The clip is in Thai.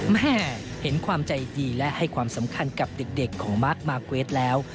แม่เห็นความใจดีและให้ความสำคัญกับเด็กของมาร์คมาร์เกรทแล้ว